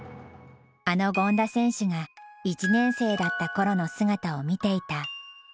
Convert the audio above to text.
あの権田選手が１年生だった頃の姿を見ていた。